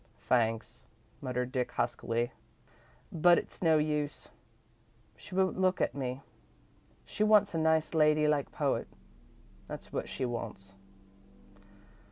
"Thanks," muttered Dick, huskily, "but it's no use. She won't look at me. She wants a nice lady like poet, that's what she wants."